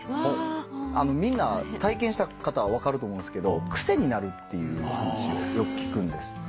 みんな体験した方分かると思うんですけど癖になるっていう話よく聞くんです。